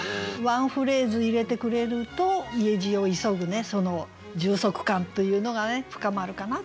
ワンフレーズ入れてくれると家路を急ぐその充足感というのがね深まるかなと思いますね。